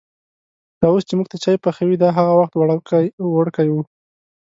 دا اوس چې مونږ ته چای پخوي، دا هغه وخت وړوکی وړکی و.